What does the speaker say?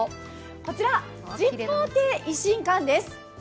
こちら十朋亭維新館です。